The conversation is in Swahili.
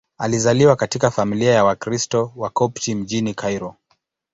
Alizaliwa katika familia ya Wakristo Wakopti mjini Kairo.